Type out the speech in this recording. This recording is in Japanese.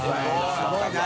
すごいね。